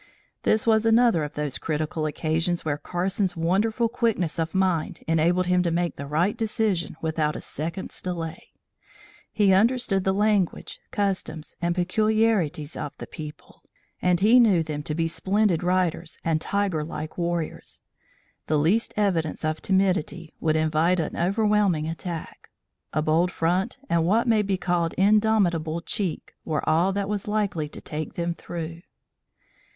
This was another of those critical occasions where Carson's wonderful quickness of mind enabled him to make the right decision without a second's delay. He understood the language, customs and peculiarities of the people, and he knew them to be splendid riders and tiger like warriors. The least evidence of timidity would invite an overwhelming attack: a bold front and what may be called indomitable "cheek" were all that was likely to take them through.